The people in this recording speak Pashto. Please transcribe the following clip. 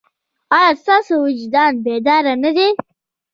ایا ستاسو وجدان بیدار نه دی؟